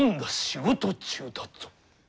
仕事中だぞ。